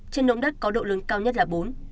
trên động đất có độ lớn cao nhất là bốn